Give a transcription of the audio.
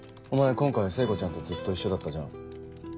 今回聖子ちゃんとずっと一緒だったじゃん。